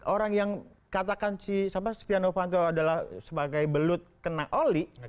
orang yang katakan si setia novanto adalah sebagai belut kena oli